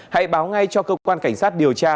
hãy báo ngay cho cơ quan cảnh sát điều tra